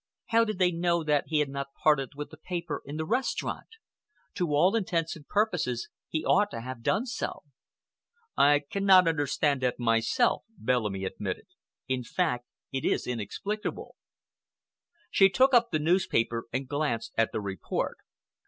How did they know that he had not parted with the paper in the restaurant? To all intents and purposes he ought to have done so." "I cannot understand that myself," Bellamy admitted. "In fact, it is inexplicable." She took up the newspaper and glanced at the report.